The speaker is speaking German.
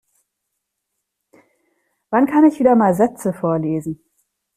Wann kann ich wieder mal Sätze vorlesen.